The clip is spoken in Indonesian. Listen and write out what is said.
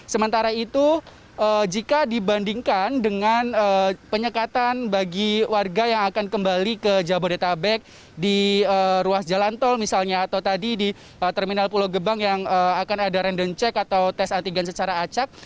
sementara itu jika dibandingkan dengan penyekatan bagi warga yang akan kembali ke jabodetabek di ruas jalan tol misalnya atau tadi di terminal pulau gebang yang akan ada random check atau tes antigen secara acak